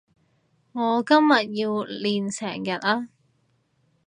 我今日要練成日呀